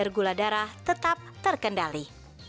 sehingga kenaikan kadar gula darah tetap terkendali